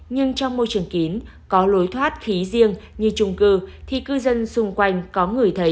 nhưng trong môi trường kín có lối thoát khí riêng như trung cư thì cư dân xung quanh có ngửi thấy